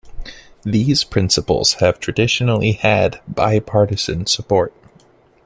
These principles have traditionally had bipartisan support.